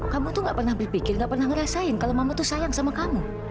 kamu tuh nggak pernah berpikir nggak pernah ngerasain kalau mama itu sayang sama kamu